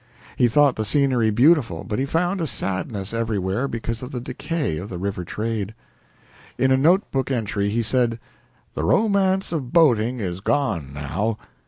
He thought the scenery beautiful, but he found a sadness everywhere because of the decay of the river trade. In a note book entry he said: "The romance of boating is gone now.